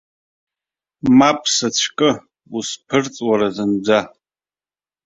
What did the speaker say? Мап сыцәкы, усԥырҵ уара зынӡа.